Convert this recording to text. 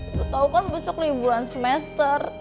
lo tau kan besok liburan semester